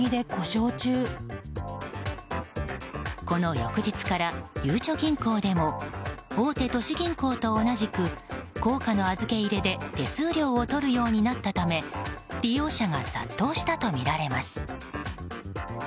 この翌日からゆうちょ銀行でも大手都市銀行と同じく硬貨の預け入れで手数料を取るようになったため利用者が殺到したとみられます。